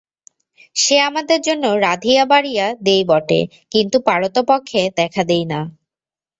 সে আমাদের জন্য রাঁধিয়া-বাড়িয়া দেয় বটে, কিন্তু পারতপক্ষে দেখা দেয় না।